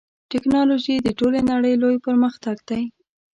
ټکنالوژي د ټولې نړۍ لوی پرمختګ دی.